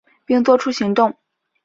并做出行动